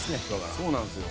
そうなんですよ。